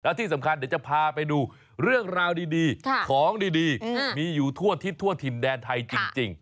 ที่สำคัญเดี๋ยวจะพาไปดูเรื่องราวดีของดีมีอยู่ทั่วทิศทั่วถิ่นแดนไทยจริง